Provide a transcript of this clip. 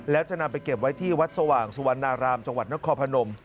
แล้วจะนำไปเก็บไว้ที่วัดสว่างสุวรรณารามจังหวัดนครพนม